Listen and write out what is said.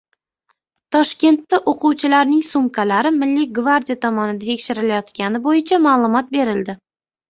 Toshkentda o‘quvchilarning sumkalari Milliy gvardiya tomonidan tekshirilayotgani bo‘yicha ma'lumot berildi